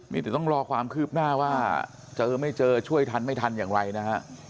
นี่เดี๋ยวต้องรอความคืบหน้าว่าเจอไม่เจอช่วยทันไม่ทันอย่างไรนะฮะ